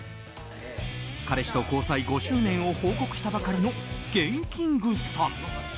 彼氏と交際５周年を報告したばかりのＧＥＮＫＩＮＧさん。